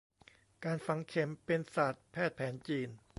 การฝังเข็มเป็นศาสตร์แพทย์แผนจีน